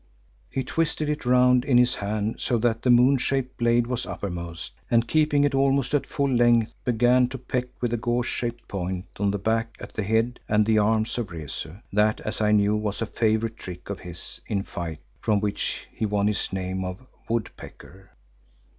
He twisted it round in his hand so that the moon shaped blade was uppermost, and keeping it almost at full length, began to peck with the gouge shaped point on the back at the head and arms of Rezu, that as I knew was a favourite trick of his in fight from which he won his name of "Woodpecker."